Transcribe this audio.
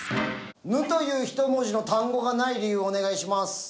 「ぬ」という１文字の単語がない理由お願いします。